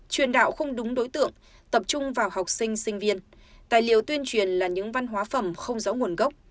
truyền đạo không đúng đối tượng tập trung vào học sinh sinh viên tài liệu tuyên truyền là những văn hóa phẩm không rõ nguồn gốc